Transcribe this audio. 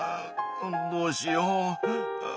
どうしよう。